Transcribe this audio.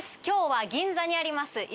今日は銀座にあります